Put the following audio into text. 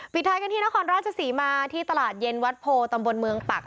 ท้ายกันที่นครราชศรีมาที่ตลาดเย็นวัดโพตำบลเมืองปัก